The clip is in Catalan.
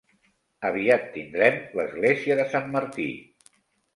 Aviat tindrem l'església de Sant Martí.